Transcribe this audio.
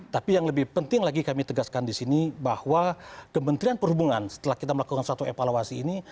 tapi yang lebih penting lagi kami tegaskan di sini bahwa kementerian perhubungan setelah kita melakukan suatu evaluasi ini